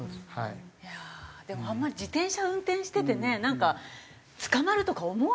いやあでもあんまり自転車を運転しててねなんか捕まるとか思わないですよね。